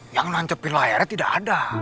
yang nangkepin layarnya tidak ada